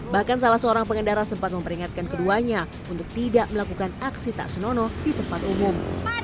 bahkan salah seorang pengendara sempat memperingatkan keduanya untuk tidak melakukan aksi tak senonoh di tempat umum